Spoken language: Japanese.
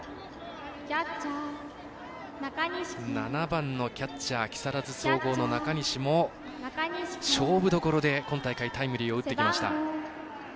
７番のキャッチャー木更津総合の中西も勝負どころで、今大会タイムリーを打ってきました。